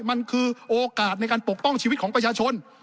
มันคือโอกาสในการปกป้องชีวิตของประชาชน